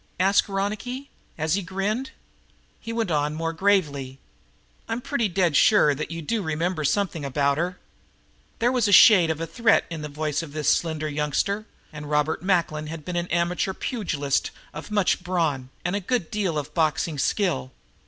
asked Ronicky, as he grinned. He went on more gravely: "I'm pretty dead sure that you do remember something about her." There was just the shade of a threat in the voice of this slender youngster, and Robert Macklin had been an amateur pugilist of much brawn and a good deal of boxing skill.